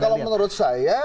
iya kalau menurut saya